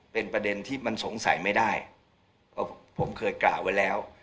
เป็นประเด็นที่มันสงสัยไม่ได้เพราะผมเคยกล่าวไว้แล้ว